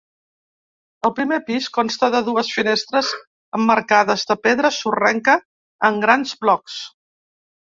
El primer pis consta de dues finestres emmarcades de pedra sorrenca en grans blocs.